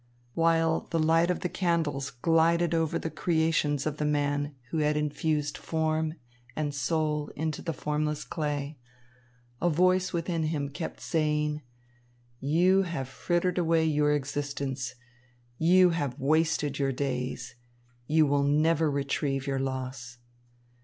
While the light of the candles glided over the creations of the man who had infused form and soul into the formless clay, a voice within him kept saying: "You have frittered away your existence, you have wasted your days, you will never retrieve your loss."